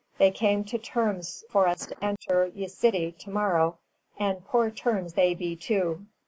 They came to Termes for us to enter ye Sitty to morrow, and Poore Termes they Bee too."